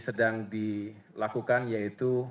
sedang dilakukan yaitu